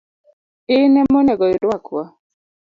In emonego irwak wa.